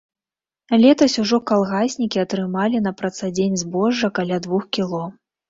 Летась ужо калгаснікі атрымалі на працадзень збожжа каля двух кіло.